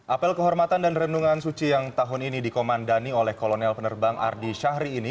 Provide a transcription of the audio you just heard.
apel kehormatan dan renungan suci yang tahun ini dikomandani oleh kolonel penerbang ardi syahri ini